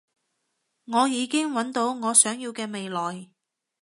我已經搵到我想要嘅未來